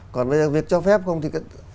còn bây giờ việc cho phép không thì